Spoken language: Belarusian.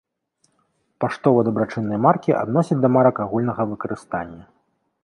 Паштова-дабрачынныя маркі адносяць да марак агульнага выкарыстання.